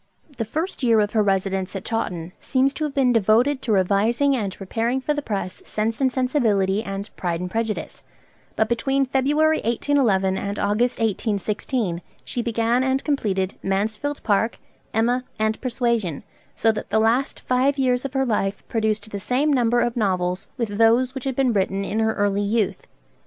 The first year of her residence at Chawton seems to have been devoted to revising and preparing for the press 'Sense and Sensibility,' and 'Pride and Prejudice'; but between February 1811 and August 1816, she began and completed 'Mansfield Park,' 'Emma,' and 'Persuasion,' so that the last five years of her life produced the same number of novels with those which had been written in her early youth.